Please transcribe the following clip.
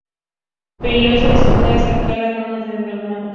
Peleo se dispone a desatar las manos de Andrómaca.